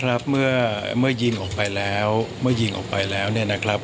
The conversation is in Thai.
กระสุนเนี่ยนะครับเมื่อยิงออกไปแล้วหมดยิงออกไปแล้วนะครับ